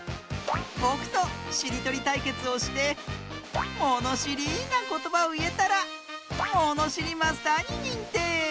ぼくとしりとりたいけつをしてものしりなことばをいえたらものしりマスターににんてい！